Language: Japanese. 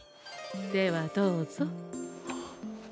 ではどうぞ。